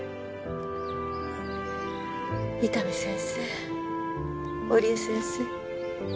伊丹先生織枝先生